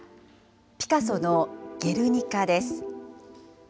ピカソのゲルニカです。